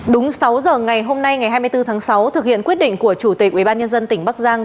đúng sáu giờ ngày hôm nay ngày hai mươi bốn tháng sáu thực hiện quyết định của chủ tịch ubnd tỉnh bắc giang